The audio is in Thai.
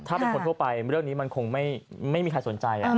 ถ้าเป็นคนทั่วไปเรื่องนี้มันคงไม่มีใครสนใจ